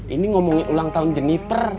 ini ngomongin ulang tahun jennifer